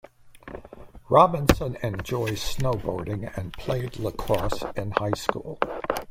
Robinson enjoys snowboarding and played lacrosse in high school.